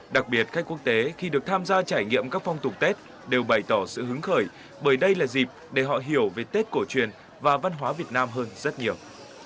đặc biệt khách quốc tế khi được tham gia trải nghiệm các phong tục tết đều bày tỏ sự hứng khởi bởi đây là dịp để họ hiểu về tết cổ truyền và văn hóa việt nam hơn rất nhiều